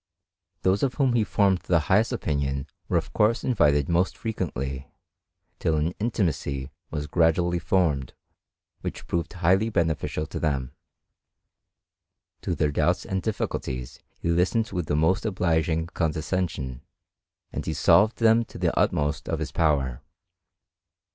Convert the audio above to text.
Those of whom he formed the highest opinion were of course invited most frequently, till an intunacy was gradually formed which proved highly beneficisd to them. To their doubts and difficulties he listened with the most obliging condescension, and he solved them to the utmost of his power.